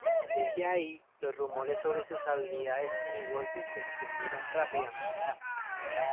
Desde ahí, los rumores sobre sus habilidades y negocios se extendieron rápidamente.